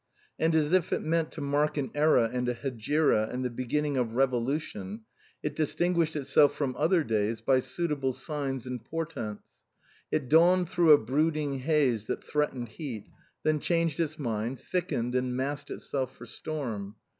And as if it meant to mark an era and a hegira and the beginning of revolu tion, it distinguished itself from other days by suitable signs and portents. It dawned through a brooding haze that threatened heat, then changed its mind, thickened and massed itself for storm.